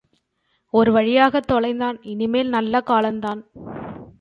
ஒருவழியாகத் தொலைந்தான், இனி மேல் நல்லகாலந்தான்.